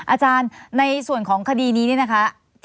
อาจารย์ในส่วนของคดีนี้เนี่ยนะคะ